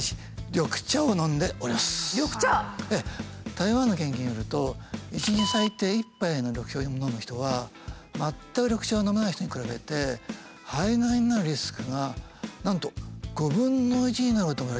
台湾の研究によると１日最低１杯の緑茶を飲む人は全く緑茶を飲まない人に比べて肺がんになるリスクがなんと５分の１になるともいわれてるんですよ。